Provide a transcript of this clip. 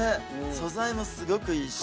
素材もすごくいいし。